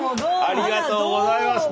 ありがとうございます。